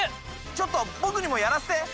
ちょっと僕にもやらせて！